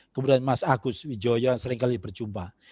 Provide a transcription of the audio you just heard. kemudian mas agus widjojo yang sering kali berjumpa